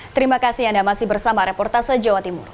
terima kasih anda masih bersama reportase jawa timur